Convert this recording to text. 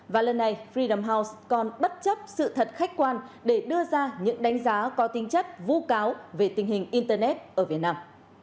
và lần này free the house còn bất chấp sự thật khách quan để đưa ra những đánh giá có tính chất vụ cáo về tình hình internet ở việt nam